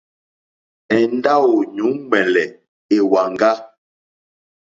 Èndáwò yǔŋwɛ̀lɛ̀ èwàŋgá.